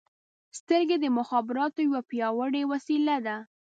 • سترګې د مخابراتو یوه پیاوړې وسیله ده.